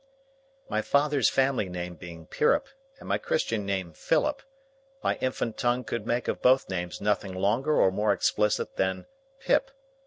My father's family name being Pirrip, and my Christian name Philip, my infant tongue could make of both names nothing longer or more explicit than Pip.